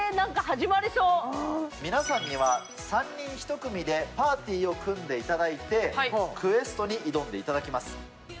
皆さんには３人１組でパーティーを組んでいただいて、クエストに挑んでいただきます。